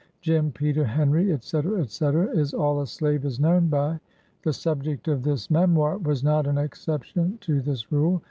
Jim, Peter, Henry, &c. &c, is all a slave is known by. The subject of this memoir was not an exception to this rule.